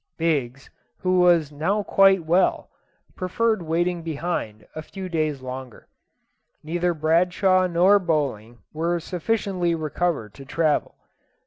Biggs, who was now quite well, preferred waiting behind a few days longer. Neither Bradshaw nor Bowling were sufficiently recovered to travel.